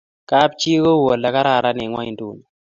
kap chii ko u ole kararan eng' nguanduni